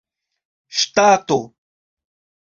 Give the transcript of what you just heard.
ŝtato